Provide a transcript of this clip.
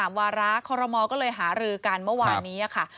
อีก๓วาลักษณ์ขอรมน์ก็เลยหารื่อกันเมื่อวานนี้ค่ะ